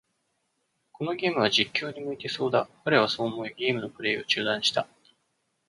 このゲームは、実況に向いてそうだ。彼はそう思い、ゲームのプレイを中断した。